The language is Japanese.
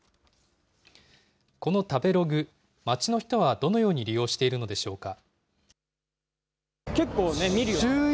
この食べログ、街の人はどのように利用しているのでしょうか。